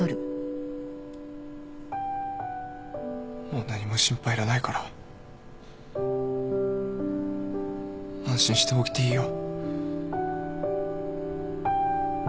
もう何も心配いらないから安心して起きていいよ。